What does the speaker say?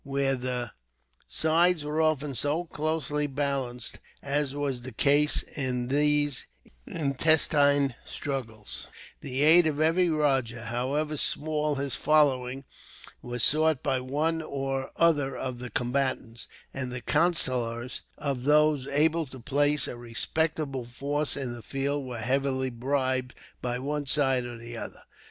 Where the sides were often so closely balanced as was the case in these intestine struggles, the aid of every rajah, however small his following, was sought by one or other of the combatants; and the counsellors of those able to place a respectable force in the field were heavily bribed, by one side or the other.